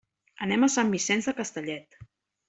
Anem a Sant Vicenç de Castellet.